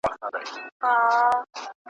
بیا به شرنګ وي د بنګړیو پر ګودر د شنو منګیو `